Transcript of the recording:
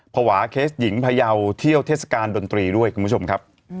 เคสหญิงพยาวเที่ยวเทศกาลดนตรีด้วยคุณผู้ชมครับ